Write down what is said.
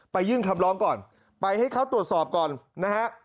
ยื่นคำร้องก่อนไปให้เขาตรวจสอบก่อนนะฮะ